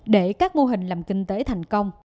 để các mô hình làm kinh tế thành công